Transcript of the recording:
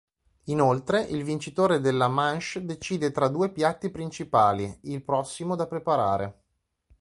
Inoltre, il vincitore della manche decide tra due piatti principali, il prossimo da preparare.